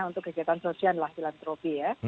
untuk kegiatan sosial adalah filantropi ya